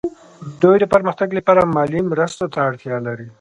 دوی د پرمختګ لپاره مالي مرستو ته اړتیا لري